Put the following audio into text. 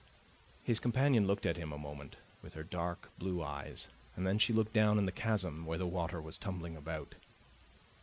His companion looked at him a moment with her dark blue eyes, and then she looked down in the chasm where the water was tumbling about.